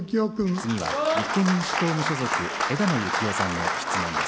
次は立憲民主党・無所属、枝野幸男さんの質問です。